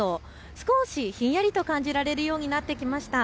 少しひんやりと感じられるようになってきました。